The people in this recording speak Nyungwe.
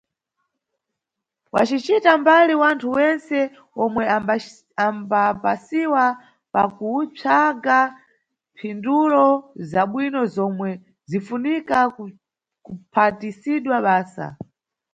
Wacicita mbali wanthu wentse omwe ambapasiwa pakupsaga mphindulo zabwino zomwe zinʼfunika kuphatisidwa basa.